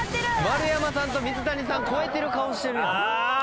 丸山さんと水谷さん超えてる顔してるやん。